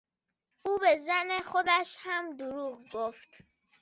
او به زن خودش هم دروغ گفت.